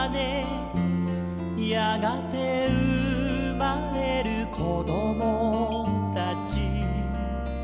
「やがてうまれるこどもたち」